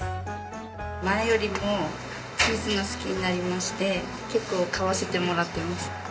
前よりもチーズが好きになりまして結構買わせてもらってます。